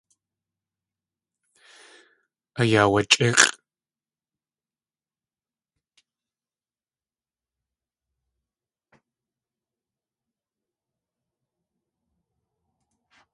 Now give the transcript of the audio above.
Ayaawachʼíx̲ʼ.